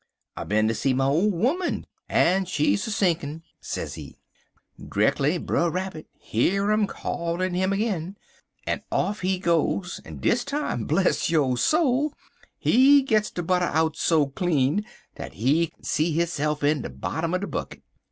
"'I been ter see my ole 'oman, en she's a sinkin',' sezee. "Dreckly Brer Rabbit hear um callin' 'im ag'in en off he goes, en dis time, bless yo' soul, he gits de butter out so clean dat he kin see hisse'f in de bottom er de bucket.